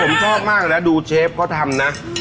ผมชอบมากนะดูเชฟเขาทำนะ